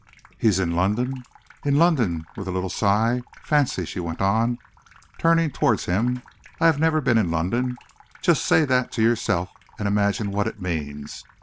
"He is in London?" "In London!" with a little sigh. "Fancy," she went on, turning towards him, "I have never been in London! Just say that to yourself, and imagine what it means.